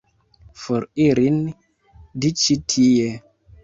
For ilin de ĉi tie!